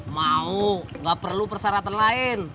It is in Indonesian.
mau nggak perlu persyaratan lain